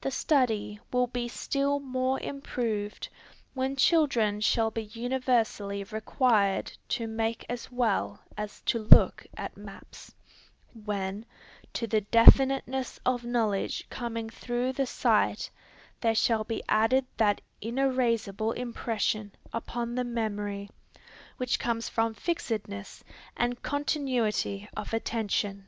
The study will be still more improved, when children shall be universally required to make as well as to look at maps, when, to the definiteness of knowledge coming through the sight, there shall be added that inerasible impression upon the memory, which comes from fixedness and continuity of attention.